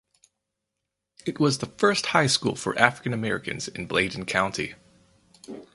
It was the first high school for African Americans in Bladen County.